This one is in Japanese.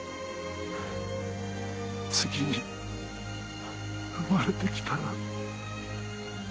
次に生まれて来たら。